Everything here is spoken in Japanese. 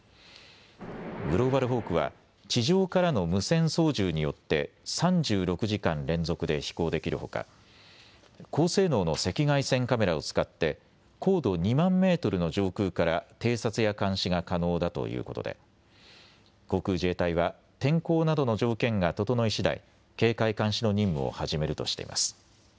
グローバルホークは地上からの無線操縦によって３６時間連続で飛行できるほか高性能の赤外線カメラを使って高度２万メートルの上空から偵察や監視が可能だということで航空自衛隊は天候などの条件が整いしだい警戒監視の任務を始めるとしています。